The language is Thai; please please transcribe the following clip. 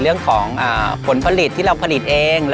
เร็วเลยค่ะเร็วเลยค่ะ